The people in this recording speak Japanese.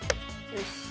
よし。